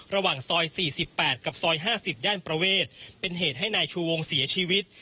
ระหว่างซอย๔๘กับซอย๕๐ย่านประเวทเป็นเหตุให้นายชูวงเสียชีวิต